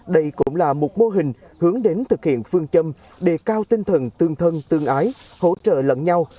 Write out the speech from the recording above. đây cũng là một mô hình hướng đến thực hiện phương châm đề cao tinh thần tương thân tương ái hỗ trợ lẫn nhau